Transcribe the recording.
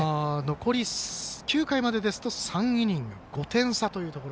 残り９回までですと３イニング５点差というところ。